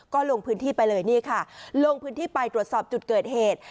ก็ลงพื้นที่ไปเลยนี่ค่ะลงพื้นที่ไปตรวจสอบจุดเกิดเหตุ